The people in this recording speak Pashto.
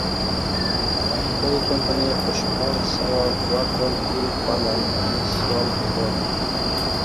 دغې کمپنۍ په شپاړس سوه دوه کال کې هالنډی سیال پیدا کړ.